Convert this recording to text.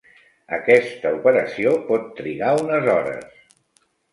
Aquesta operació pot trigar unes hores.